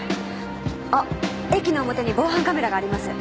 あっ駅の表に防犯カメラがあります。